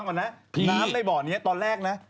น้ำในบ่อนี้ตอนแรกนะ